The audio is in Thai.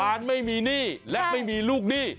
การไม่มีหนี้และไม่มีลูกหนี้